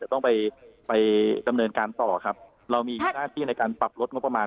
ต้องไปไปดำเนินการต่อครับเรามีหน้าที่ในการปรับลดงบประมาณ